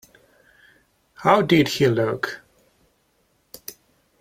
How did he look?